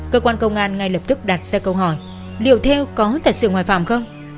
cơ quan công an ngay lập tức đặt ra câu hỏi liệu thêu có thật sự ngoại phạm không